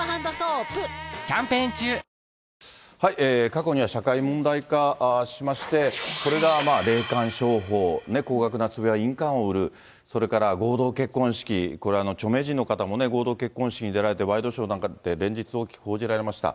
過去には社会問題化しまして、これが霊感商法、高額なつぼや印鑑を売る、それから合同結婚式、これ、著名人の方も合同結婚式に出られて、ワイドショーなんかで連日報じられました。